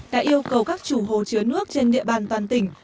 đã yêu cầu các chủ hồ chứa nước trên địa bàn toàn tỉnh